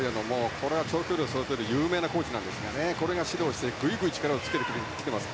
これは長距離選手を育てる有名なコーチなんですがこれが指導してぐいぐい力をつけてきています。